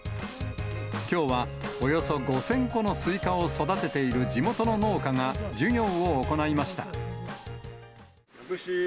きょうはおよそ５０００個のスイカを育てている地元の農家が、授業を行いました。